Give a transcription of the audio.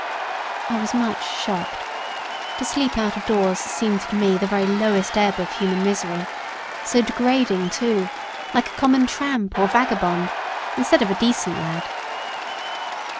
I was much shocked. To sleep out of doors seemed to me the very lowest ebb of human misery: so degrading, too like a common tramp or vagabond, instead of a decent lad.